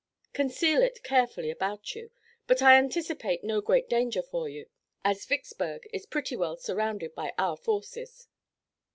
Conceal it carefully about you, but I anticipate no great danger for you, as Vicksburg is pretty well surrounded by our forces."